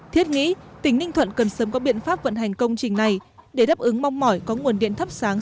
thiết nghĩ tỉnh ninh thuận cần sớm có biện pháp vận hành công trình này để đáp ứng mong mỏi có nguồn điện thắp sáng